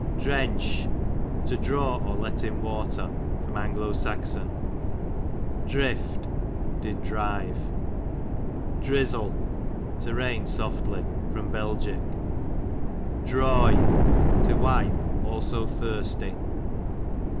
Drench, to draw or let in water._ A. S. Drift, did drive. Drizzle, to raiti softly. Bel. Droy, to wipe, also thirsty.